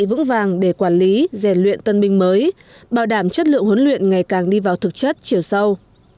vững vàng để quản lý rèn luyện tân binh mới bảo đảm chất lượng huấn luyện ngày càng đi vào thực chất chiều sâu